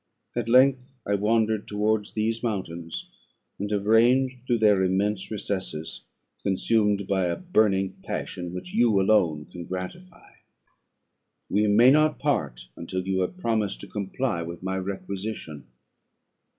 At length I wandered towards these mountains, and have ranged through their immense recesses, consumed by a burning passion which you alone can gratify. We may not part until you have promised to comply with my requisition.